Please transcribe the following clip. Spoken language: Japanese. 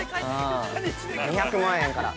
２００万円から。